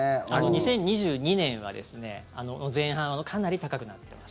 ２０２２年の前半はかなり高くなっていました。